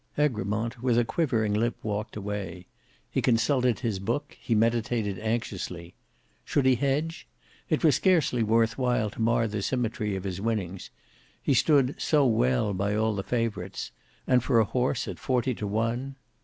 Egremont with a quivering lip walked away. He consulted his book; he meditated anxiously. Should he hedge? It was scarcely worth while to mar the symmetry of his winnings; he stood "so well" by all the favourites; and for a horse at forty to one.